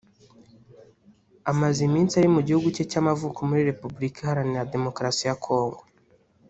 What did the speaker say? amaze iminsi ari mu gihugu cye cy’amavuko muri Repubulika Iharanira Demukarasi ya Congo